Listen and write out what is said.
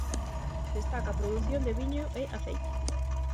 Destaca a produción de viño e aceite.